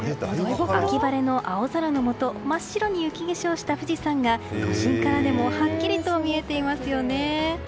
秋晴れの青空のもと真っ白に雪化粧した富士山が都心からでもはっきりと見えていますよね。